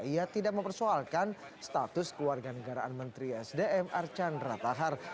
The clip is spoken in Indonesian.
ia tidak mempersoalkan status keluarga negaraan menteri sdm archandra tahar